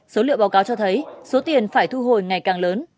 số liệu báo cáo cho thấy số tiền phải thu hồi ngày càng lớn